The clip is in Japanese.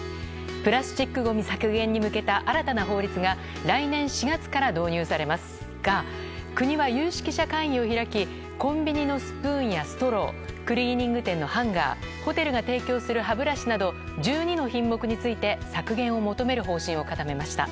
プラスチックごみ削減に向けた新たな法律が来年４月から導入されますが国は有識者会議を開きコンビニのスプーンやストロークリーニング店のハンガーホテルが提供する歯ブラシなど１２の品目について削減を求める方針を固めました。